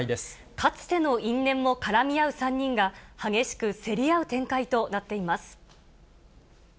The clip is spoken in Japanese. かつての因縁も絡み合う３人が、激しく競り合う展開となっています。